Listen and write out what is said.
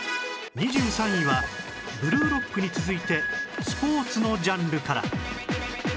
２３位は『ブルーロック』に続いてスポーツのジャンルから